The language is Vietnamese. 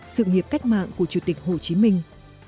sự nghiệp cách mạng của chủ tịch hồ chí minh